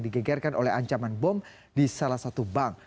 digegerkan oleh ancaman bom di salah satu bank